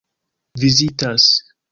vizitas